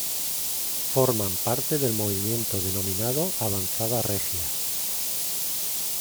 Forman parte del movimiento denominado "Avanzada regia".